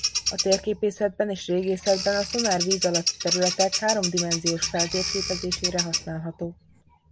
A térképészetben és régészetben a szonár víz alatti területek háromdimenziós feltérképezésére használható.